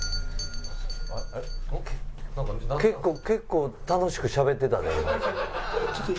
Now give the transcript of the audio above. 結構楽しくしゃべってたで今。